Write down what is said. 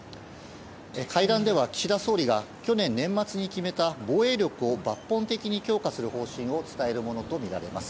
会談では岸田総理が去年、年末に決めた防衛力を抜本的に強化する方針を伝えるものとみられます。